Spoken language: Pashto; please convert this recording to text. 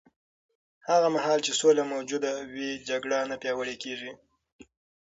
هغه مهال چې سوله موجوده وي، جګړه نه پیاوړې کېږي.